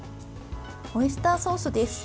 オイスターソースです。